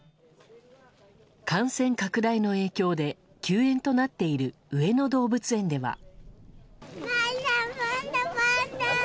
感染拡大の影響で休園となっている上野動物園では。